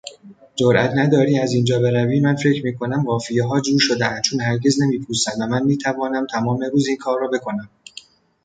جرات نداری از اینجا بروی من فکر میکنم قافیهها جور شده اند چون هرگز نمی پوسند و من میتوانم تمام روز این کار را بکنم.